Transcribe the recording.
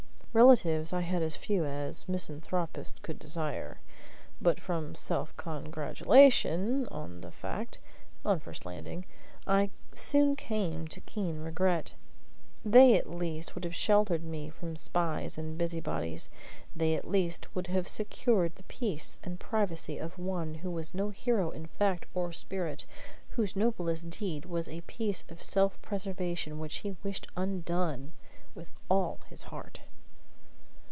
Relatives I had as few as misanthropist could desire; but from self congratulation on the fact, on first landing, I soon came to keen regret. They at least would have sheltered me from spies and busybodies; they at least would have secured the peace and privacy of one who was no hero in fact or spirit, whose noblest deed was a piece of self preservation which he wished undone with all his heart.